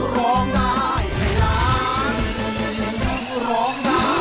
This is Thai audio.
ร้องได้ไอ้ล้านร้องได้ไอ้ล้าน